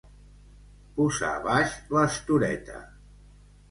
Posar baix l'estoreta.